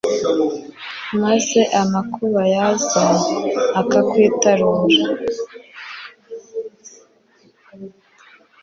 maze amakuba yaza, akakwitarura